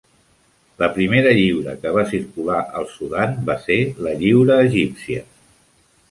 La primera lliura que va circular al Sudan va ser la lliura egípcia.